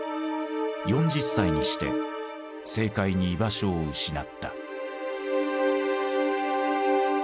４０歳にして政界に居場所を失った。